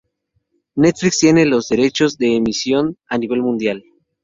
Netflix tiene los derechos de emisión a nivel mundial.